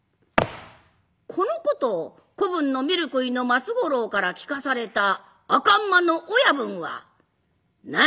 このことを子分のみるくいの松五郎から聞かされた赤馬の親分は「何？